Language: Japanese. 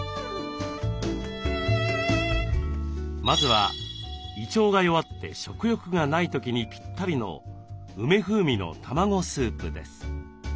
まずは胃腸が弱って食欲がない時にぴったりの「梅風味の卵スープ」です。